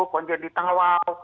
konjen di tengah lawa